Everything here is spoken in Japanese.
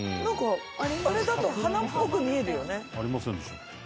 あれだと花っぽく見えるよね。